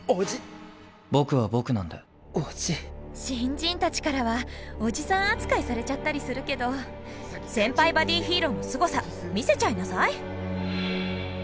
新人たちからはおじさん扱いされちゃったりするけど先輩バディヒーローのすごさ見せちゃいなさい！